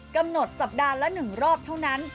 กำหนดสัปดาห์ละ๑รอบเท่านั้น